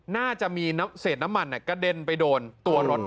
น่าจะมีเศษน้ำมันกระเด็นไปโดนตัวรถ